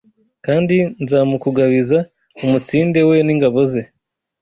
Kandi nzamukugabiza umutsinde we n’ingabo ze